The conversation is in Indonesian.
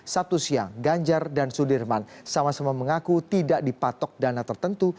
sabtu siang ganjar dan sudirman sama sama mengaku tidak dipatok dana tertentu